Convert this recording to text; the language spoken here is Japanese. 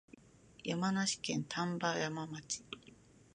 山梨県丹波山村